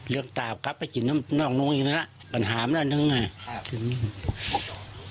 เรื่องตาครับไปกินน้องน้องยังไงล่ะปัญหามันนั่นนึงไงครับ